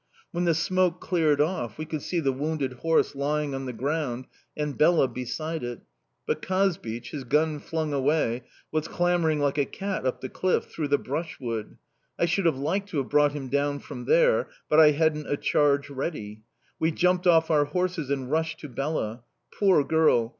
When the smoke cleared off, we could see the wounded horse lying on the ground and Bela beside it; but Kazbich, his gun flung away, was clambering like a cat up the cliff, through the brushwood. I should have liked to have brought him down from there but I hadn't a charge ready. We jumped off our horses and rushed to Bela. Poor girl!